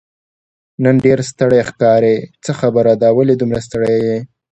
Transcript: نن ډېر ستړی ښکارې، څه خبره ده، ولې دومره ستړی یې؟